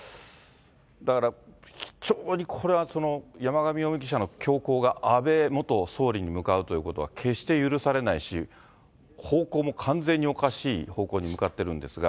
だから、非常にこれは山上容疑者の凶行が安倍元総理に向かうということは決して許されないし、方向も完全におかしい方向に向かってるんですが。